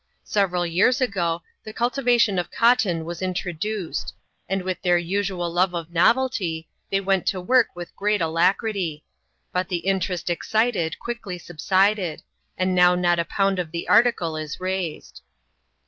Several years ago, the culti vation of cotton was introduced ; and with their usual love of novelty, they went to work with great alacrity; but the interest excited quickly subsided, and now not a pound of the article is raised.